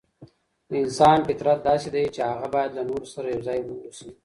د انسان فطرت داسې دی چي هغه بايد له نورو سره يو ځای واوسي.